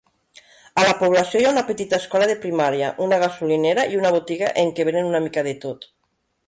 A la població hi ha una petita escola de primària, una gasolinera i una botiga en què venen una mica de tot.